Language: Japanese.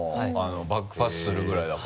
バックパスするぐらいだから。